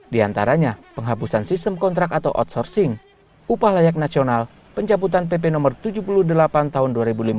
di antaranya penghapusan sistem kontrak atau outsourcing upah layak nasional pencaputan pp no tujuh puluh delapan tahun dua ribu lima belas